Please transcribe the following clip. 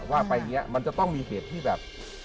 ว่าไปอย่างนี้มันจะต้องมีเหตุที่แบบ